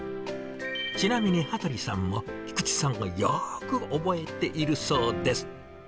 ちなみに、羽鳥さんも菊池さんをよく覚えているそうです。